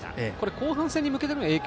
後半戦に向けての影響